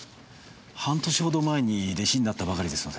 半年程前に弟子になったばかりですので。